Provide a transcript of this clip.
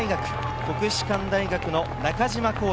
国士舘大学の中島弘太。